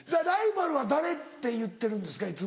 ライバルは誰って言ってるんですか？